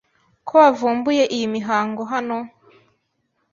Ko wavumbuye iyi mihango hano